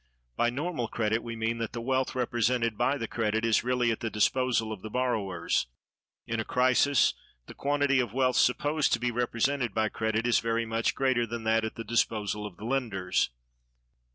By normal credit we mean that the wealth represented by the credit is really at the disposal of the borrowers; in a crisis, the quantity of wealth supposed to be represented by credit is very much greater than that at the disposal of the lenders.